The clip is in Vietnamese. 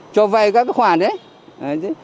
cho vay các cái khoản đấy